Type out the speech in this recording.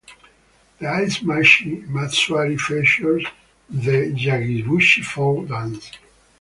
The Ise-machi Matsuri features the Yagibushi Folk Dance.